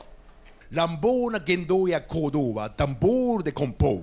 乱暴な言動や行動は段ボールでこん包！